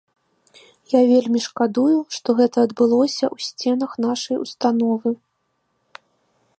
Я вельмі шкадую, што гэта адбылося ў сценах нашай установы.